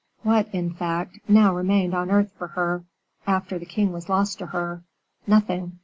What, in fact, now remained on earth for her, after the king was lost to her? Nothing.